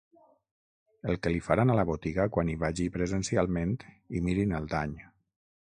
El que li faran a la botiga quan hi vagi presencialment i mirin el dany.